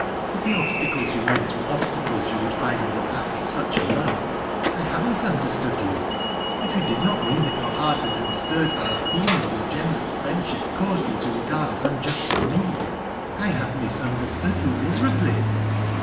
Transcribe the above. If the obstacleH you meant were the obstacles you would find in the patl) of such a love, I have misundei stood you. [f you did nc^ mean that your heart had been stirred by a feeling youi generous friendship caused you to regard as unjust to ?n«, I have misunderetood you miserably."